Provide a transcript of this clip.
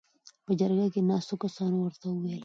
.په جرګه کې ناستو کسانو ورته ووېل: